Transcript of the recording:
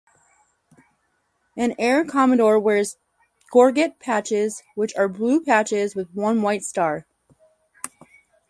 An air commodore wears gorget patches which are blue patches with one white star.